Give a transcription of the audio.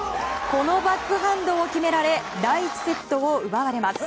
このバックハンドを決められ第１セットを奪われます。